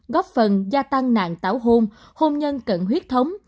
góp phần gia tăng nạn tảo hôn hôn nhân cận huyết thống